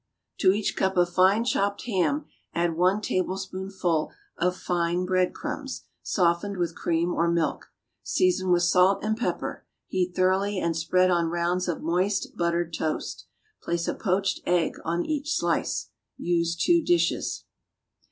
= To each cup of fine chopped ham add one tablespoonful of fine bread crumbs, softened with cream or milk. Season with salt and pepper. Heat thoroughly and spread on rounds of moist buttered toast. Place a poached egg on each slice. Use two dishes.